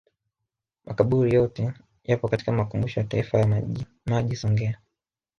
Makaburi yote yapo katika Makumbusho ya Taifa ya Majimaji Songea